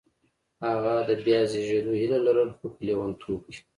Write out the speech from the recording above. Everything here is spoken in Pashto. هغه د بیا زېږېدو هیله لرله خو په لېونتوب کې